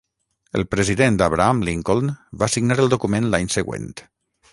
El president Abraham Lincoln va signar el document l'any següent.